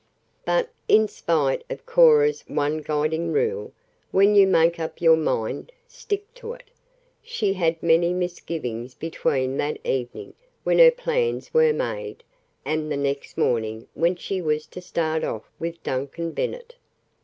But in spite of Cora's one guiding rule "When you make up your mind stick to it" she had many misgivings between that evening when her plans were made, and the next morning when she was to start off with Duncan Bennet.